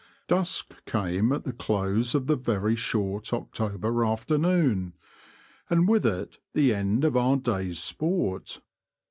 Dusk came at the close of the short October afternoon, and with it the end of our day's sport.